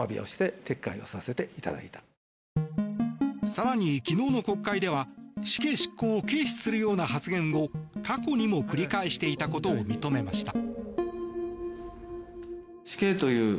更に、昨日の国会では死刑執行を軽視するような発言を過去にも繰り返していたことを認めました。